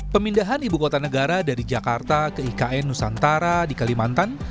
pemindahan ibu kota negara dari jakarta ke ikn nusantara di kalimantan